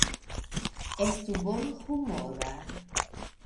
Estu bonhumora.